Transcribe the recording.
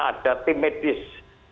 ada tim medis